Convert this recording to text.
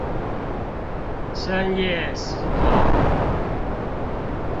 深夜食堂